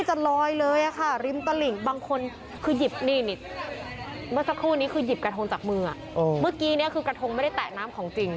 จากมืออ่ะออฮะเมื่อกี้เนี่ยคือกระทงไม่ได้แต่น้ำของจริม